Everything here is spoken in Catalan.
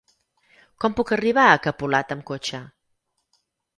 Com puc arribar a Capolat amb cotxe?